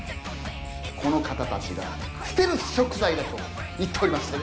この方たちが捨てる食材だと言っておりましたよ。